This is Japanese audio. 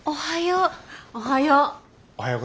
おはよう。